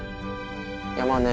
山ね